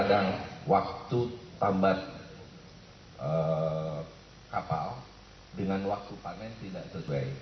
kadang waktu tambat kapal dengan waktu panen tidak sesuai